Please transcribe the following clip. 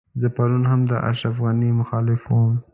زه پرون هم د اشرف غني مخالف وم.